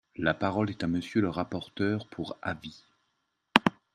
La parole est à Monsieur le rapporteur pour avis.